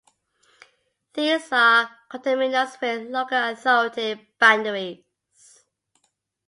These are coterminous with local authority boundaries.